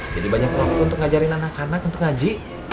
jadi banyak waktu untuk ngajarin anak anak untuk ngaji